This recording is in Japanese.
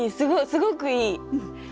すごくいい。